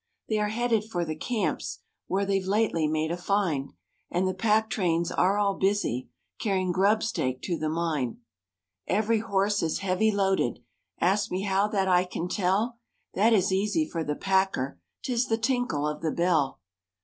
They are headed for the camps, Where they've lately made a find; And the pack trains are all busy Carrying grubstake to the mine. Every horse is heavy loaded; Ask me how that I can tell? That is easy for the packer, 'Tis the tinkle of the bell.